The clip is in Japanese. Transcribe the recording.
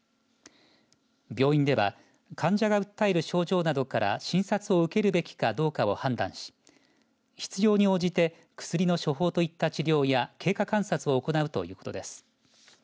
病院では患者が訴える症状などから診察を受けるべきかどうかを判断し必要に応じて薬の処方といった治療や経過観察を行うということです。